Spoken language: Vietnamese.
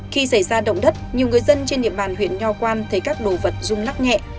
khi xảy ra động đất nhiều người dân trên địa bàn huyện nho quan thấy các đồ vật rung lắc nhẹ